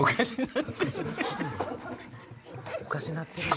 おかしなってる。